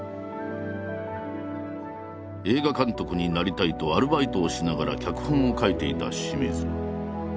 映画監督になりたいとアルバイトをしながら脚本を書いていた清水。